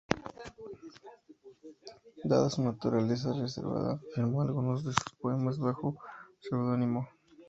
Dada su naturaleza reservada, firmó algunos de sus poemas bajo seudónimo.